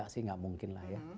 sih nggak mungkin lah ya